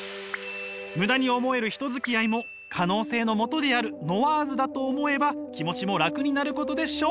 ムダに思える人付き合いも可能性のもとであるノワーズだと思えば気持ちも楽になることでしょう！